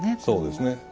そうですね。